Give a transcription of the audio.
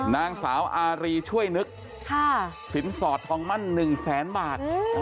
นางสาวอารีช่วยนึกสินสอดทองมั่น๑แสนบาท